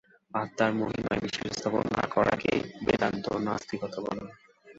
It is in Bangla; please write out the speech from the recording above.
আত্মার মহিমায় বিশ্বাস স্থাপন না করাকেই বেদান্ত নাস্তিকতা বলেন।